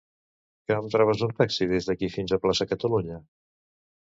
Que em trobes un taxi des d'aquí fins plaça Catalunya?